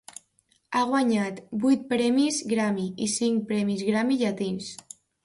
Ha guanyat vuit premis Grammy i cinc premis Grammy Llatins.